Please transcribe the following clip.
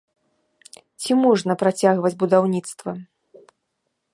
Ці можна працягваць будаўніцтва?